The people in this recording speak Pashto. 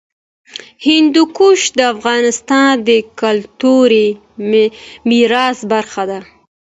هندوکش د افغانستان د کلتوري میراث برخه ده.